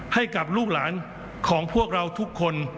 ให้กับลูกหลานของพวกเราทุกคน